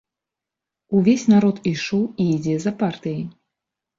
Увесь народ ішоў і ідзе за партыяй.